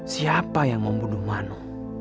siapa yang membunuh mano